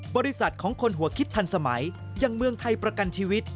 บริษัทของคนหัวคิดทันสมัยอย่างเมืองไทยประกันชีวิต